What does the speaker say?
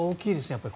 やっぱり。